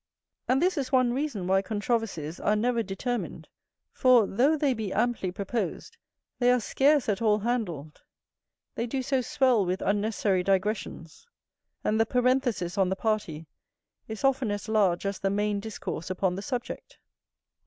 And this is one reason why controversies are never determined; for, though they be amply proposed, they are scarce at all handled; they do so swell with unnecessary digressions; and the parenthesis on the party is often as large as the main discourse upon the subject.